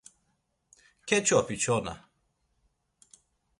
Keç̌opi çona.